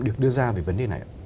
được đưa ra về vấn đề này ạ